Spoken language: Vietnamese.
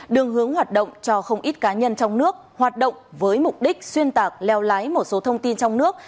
đường hướng hoạt động cho không ít cá nhân trong nước hoạt động với mục đích xuyên tạc leo lái một số thông tin trong nước